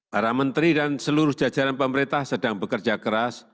para menteri dan seluruh jajaran pemerintah sedang bekerja keras